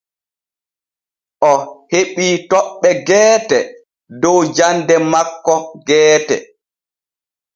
O heɓii toɓɓe geete dow jande makko geete.